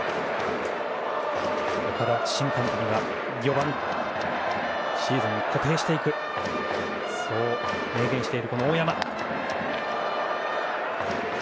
岡田新監督が４番でシーズン固定していくそう明言している大山。